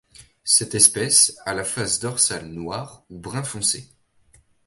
Cette espèce a la face dorsale noire ou brun foncé.